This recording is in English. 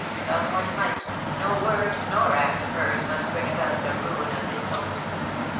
Come what might, no word nor act of hers must bring about the ruin of his hopes.